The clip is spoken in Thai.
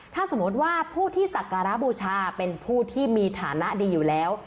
ถ้าสมมติว่าผู้ที่สักการะบูชาเป็นผู้ที่มีฐานะดีอยู่แล้ว